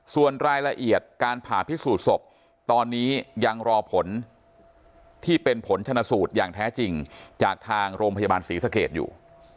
ส่วนรายละเอียดการผ่าพิสูจน์ศพตอนนี้ยังรอผลที่เป็นผลชนะสูตรอย่างแท้จริงจากทางโรงพยาบาลศรีสเกตอยู่